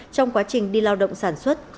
trong quá trình đi lao động sản xuất